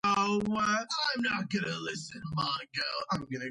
ამ პერიოდისთვის იგი უკვე მთელს ევროპაში იყო ცნობილი.